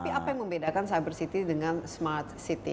tapi apa yang membedakan cyber city dengan smart city